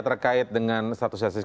terkait dengan status jastis